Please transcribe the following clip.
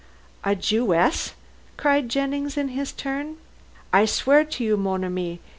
"A Jewess?" cried Jennings in his turn. "I swear to you, mon ami.